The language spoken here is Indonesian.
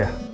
ya kan no